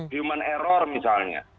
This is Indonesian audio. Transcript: human error misalnya